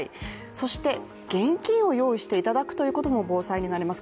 そして、現金を用意していただくということも、防災になります。